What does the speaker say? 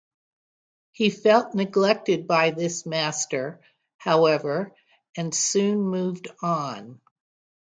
He felt neglected by this master, however, and soon moved on.